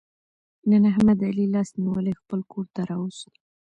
نن احمد علي لاس نیولی خپل کورته را وست.